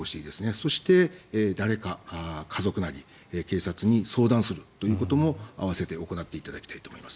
そして誰か家族なり警察に相談するということも併せて行っていただきたいと思います。